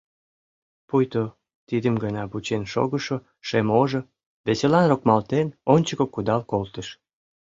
Пуйто тидым гына вучен шогышо шем ожо, веселан рокмалтен, ончыко кудал колтыш.